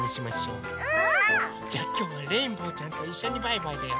うん！じゃきょうはレインボーちゃんといっしょにバイバイだよ。